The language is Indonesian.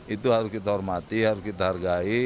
itu harus kita hormati harus kita hargai